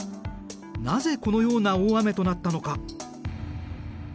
なぜこのような大雨となったのか。